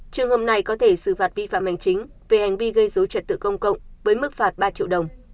trường hợp này có thể xử phạt vi phạm hành chính về hành vi gây dối trật tự công cộng với mức phạt ba triệu đồng